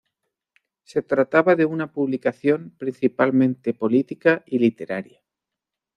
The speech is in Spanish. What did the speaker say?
Se trataba de una publicación principalmente política y literaria.